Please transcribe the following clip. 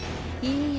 いいえ。